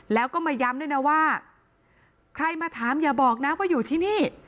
แล้วก็มาย้ำด้วยนะว่าใครมาถามอย่าบอกนะว่าอยู่ที่นี่